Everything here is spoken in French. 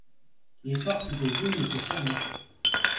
Les portes de Digne étaient fermées.